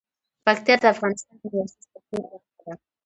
پکتیا د افغانستان د انرژۍ سکتور برخه ده.